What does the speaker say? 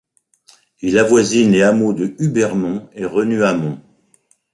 Il avoisine les hameaux de Hubermont et Renuamont.